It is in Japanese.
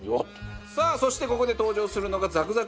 さあそしてここで登場するのがザクザクの正体